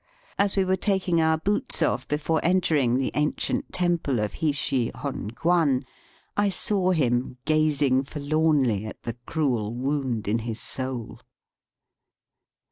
As we were taking our boots off before entering the ancient temple of Hishi Hon Gwan, I saw him gazing forlornly at the cruel wound in his sole.